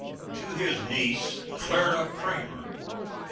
[To his niece, Clara Cramer.